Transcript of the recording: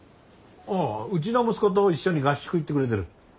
ああうちの息子と一緒に合宿行ってくれてる。